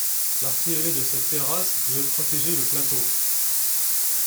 L'artillerie de sa terrasse devait protéger le plateau.